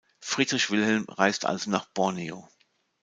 Friedrich Wilhelm reist also nach Borneo.